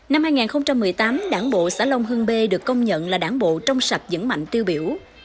năm hai nghìn một mươi tám đảng bộ xã long hưng bê được công nhận là đảng bộ trong sạch dẫn mạnh tiêu biểu